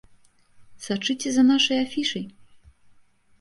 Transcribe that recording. Сачыце за нашай афішай!